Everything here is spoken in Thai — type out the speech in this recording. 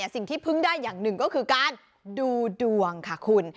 สิ่งที่พึ่งได้อย่างหนึ่งก็คือการดูดวงค่ะคุณ